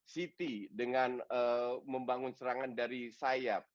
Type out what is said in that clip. city dengan membangun serangan dari sayap